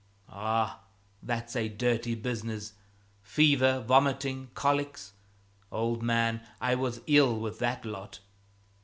"Ah, that's a dirty business fever, vomiting, colics; old man, I was ill with that lot!"